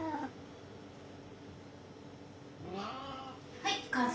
はい完成！